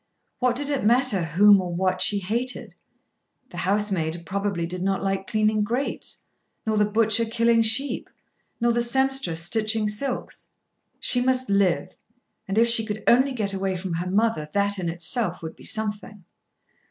What did it matter whom or what she hated? The housemaid probably did not like cleaning grates; nor the butcher killing sheep; nor the sempstress stitching silks. She must live. And if she could only get away from her mother that in itself would be something.